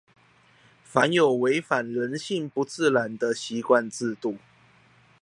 凡有違反人性不自然的習慣制度